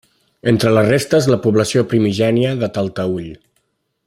Entre les restes, la població primigènia de Talteüll.